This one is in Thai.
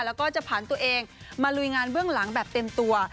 แล้วก็จะผ่านตัวเองมาลุยงานเบื้องหลังแบบเต็มตัว